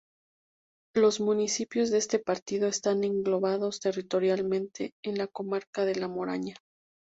Los municipios de este partido están englobados territorialmente en la comarca de la Moraña.